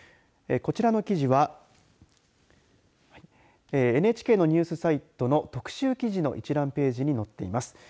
こちらの記事はＮＨＫのニュースサイトの特集記事の一覧ページに載っています